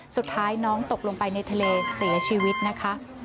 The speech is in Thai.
สุดท้ายน้องตกลงไปในทะเลเสียชีวิตนะคะ